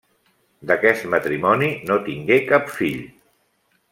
D'aquest matrimoni no tingué cap fill.